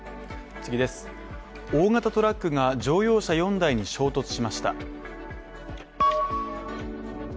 大型トラックが乗用車４台に衝突しました。